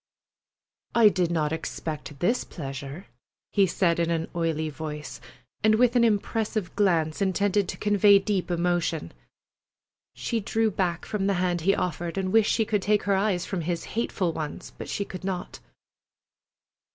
"I did not expect this pleasure," he said in an oily voice, and with an impressive glance intended to convey deep emotion. She drew back from the hand he offered, and wished she could take her eyes from his hateful ones, but she could not.